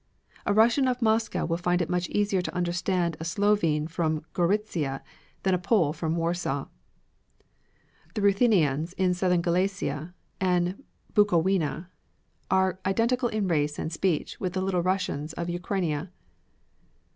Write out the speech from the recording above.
A Russian of Moscow will find it much easier to understand a Slovene from Goritzia than a Pole from Warsaw. The Ruthenians in southern Galicia and Bukowina, are identical in race and speech with the Little Russians of Ukrainia.